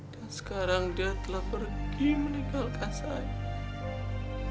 dan sekarang dia telah pergi meninggalkan saya